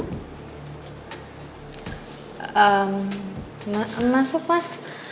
ehm masuk mas